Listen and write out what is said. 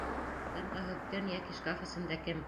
ТЫНҒЫҺЫҘ КӨН ЙӘКИ ШКАФ ЭСЕНДӘ КЕМ?